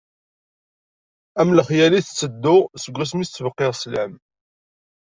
Am lexyal i tetteddu seg asmi s-tbeqqiḍ sslam.